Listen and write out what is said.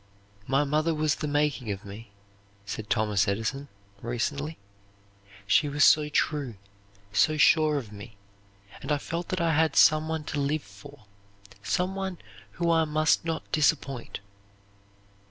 "My mother was the making of me," said Thomas Edison, recently. "She was so true, so sure of me; and I felt that I had some one to live for; some one I must not disappoint."